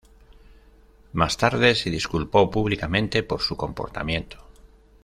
Más tarde se disculpó públicamente por su comportamiento.